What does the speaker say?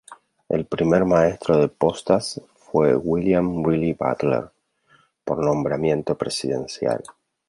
El primer maestro de postas fue William Riley Butler, por nombramiento presidencial.